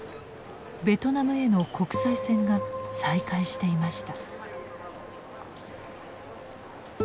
ベトナムへの国際線が再開していました。